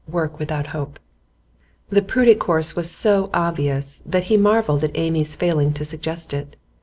WORK WITHOUT HOPE The prudent course was so obvious that he marvelled at Amy's failing to suggest it.